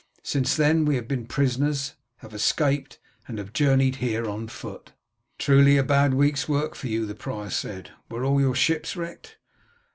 Since then we have been prisoners, have escaped, and have journeyed here on foot." "Truly a bad week's work for you," the prior said. "Were all your ships wrecked?"